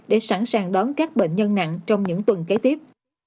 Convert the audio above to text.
để sẵn sàng đón các bệnh nhân nặng trong những tuần kế tiếp